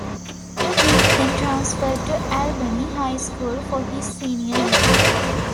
He then transferred to Albany High School for his senior year.